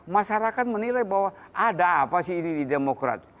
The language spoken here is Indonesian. masyarakat menilai bahwa ada apa sih ini di demokrat